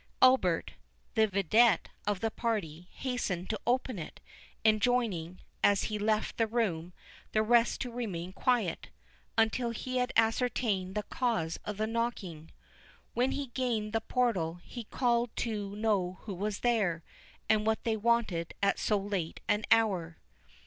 Albert, the vidette of the party, hastened to open it, enjoining, as he left the room, the rest to remain quiet, until he had ascertained the cause of the knocking. When he gained the portal, he called to know who was there, and what they wanted at so late an hour.